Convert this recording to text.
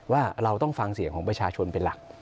ว่าเราต้องฟังเสียงของประชาชนเป็นหลัก